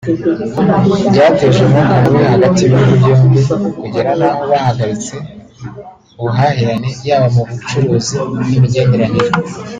byateje umwuka mubi hagati y’ibihugu byombi kugera n’aho bihagaritse ubuhahirane yaba mu bucuruzi n’imigenderanire